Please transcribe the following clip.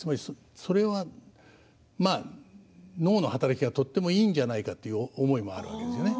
それは、まあ脳の働きがとってもいいんじゃないかという思いもあるわけですね。